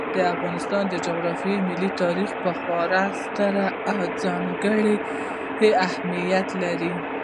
د افغانستان په جغرافیه کې ملي تاریخ یو خورا ستر او ځانګړی اهمیت لري.